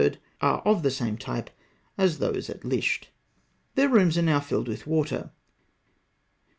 are of the same type as those at Lisht. Their rooms are now filled with water.